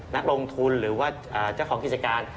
นักลงทุนหรือว่าเจ้าของกิจการ